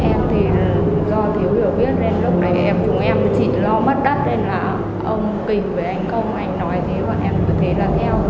em thì do thiếu hiểu biết nên lúc đấy em cùng em chỉ lo mất đất nên là ông kinh với anh công anh nói thế bọn em cứ thế là theo